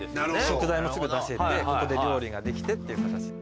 食材もすぐ出せてここで料理ができてっていう形。